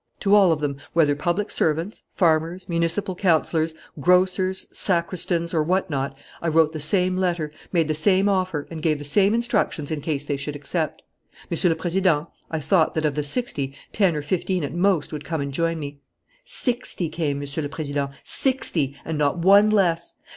"To all of them whether public servants, farmers, municipal councillors, grocers, sacristans, or what not I wrote the same letter, made the same offer, and gave the same instructions in case they should accept.... Monsieur le Président, I thought that, of the sixty, ten or fifteen at most would come and join me: sixty came, Monsieur le President, sixty, and not one less!